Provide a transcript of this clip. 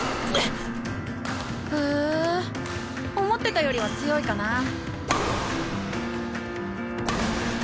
思ってたよりは強いかな。